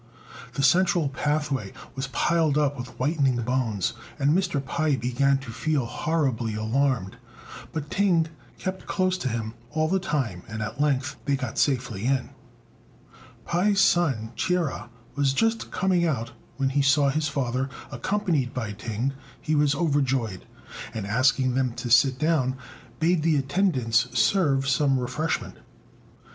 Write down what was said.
The central pathway was piled up with whitening bones, and Mr. Pai began to feel horribly alarmed but Ting kept close to him all the time, and at length they got safely in. Pai's son, Chia, was just coming out; and when he saw his father accompanied by Ting, he was overjoyed, and, asking them to sit down, bade the attendants serve some refreshment.